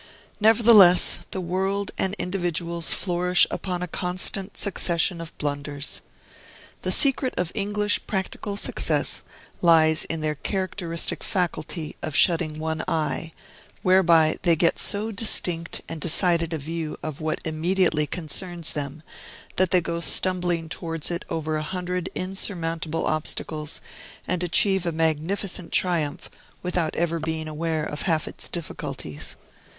Nevertheless, the world and individuals flourish upon a constant succession of blunders. The secret of English practical success lies in their characteristic faculty of shutting one eye, whereby they get so distinct and decided a view of what immediately concerns them that they go stumbling towards it over a hundred insurmountable obstacles, and achieve a magnificent triumph without ever being aware of half its difficulties.